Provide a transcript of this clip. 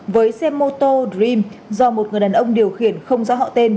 với xe mô tô dream do một người đàn ông điều khiển không rõ họ tên